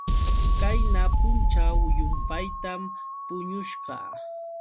Qayna punćhaw llumpaytam puñusqa.